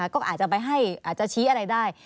ก็อาจจะไปให้อาจจะชี้อะไรได้